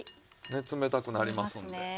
冷たくなりますので。